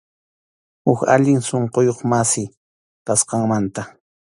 Huk allin sunquyuq masi, kasqaymanta.